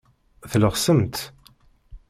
Tlexsemt.